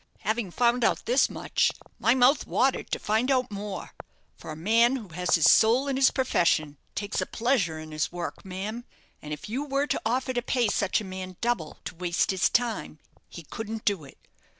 Having found out this much, my mouth watered to find out more; for a man who has his soul in his profession takes a pleasure in his work, ma'am; and if you were to offer to pay such a man double to waste his time, he couldn't do it.